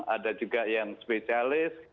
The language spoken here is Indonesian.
ada juga yang spesialis